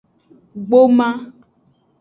Gboma.